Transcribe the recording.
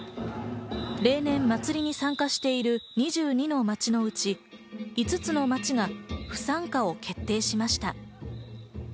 例年、祭りに参加している２２の町のうち、５つの町が不参加を決定しました。